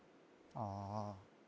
・ああ